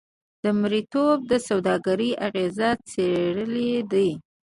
د مریتوب د سوداګرۍ اغېزې څېړلې دي.